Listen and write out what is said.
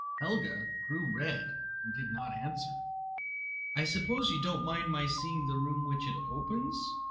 Helga grew red and did not answer. "I suppose you don't mind my seeing the room which it opens?"